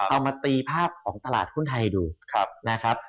เอามาตีภาพของตลาดหุ้นไทยดูนะครับ